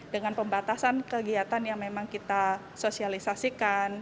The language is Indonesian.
dengan pembatasan kegiatan yang memang kita sosialisasikan